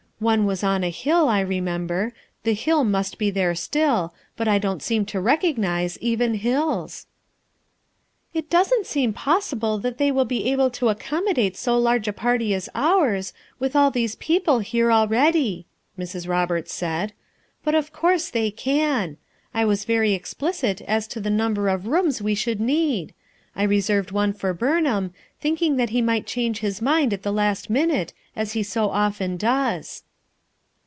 "One was on a hill, I re member; the hill must he here still, but I don't seem to recognize even hills." "It doesn't seem possible that they will be able to accommodate so large a party as ours, with all these people here already," Mrs. Roberts said, "but of course they can; I was very explicit as to the number of rooms we should need; I reserved one for Burnham, thinking that he might change his mind at the last minute as he so often does."